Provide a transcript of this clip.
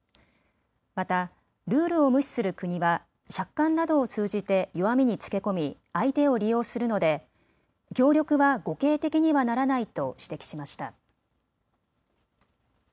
またルールを無視する国は借款などを通じて弱みにつけ込み相手を利用するので協力は互恵的にはならないと指摘しました。